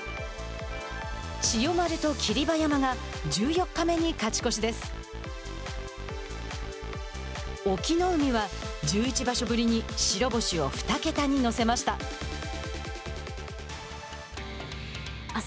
千代丸と霧馬山が１４日目に勝ち越しです。